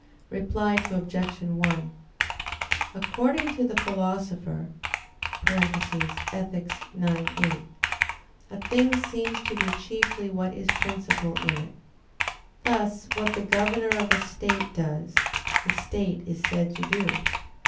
Reply Obj. 1: According to the Philosopher (Ethic. ix, 8), a thing seems to be chiefly what is princip[al] in it; thus what the governor of a state does, the state is said to do.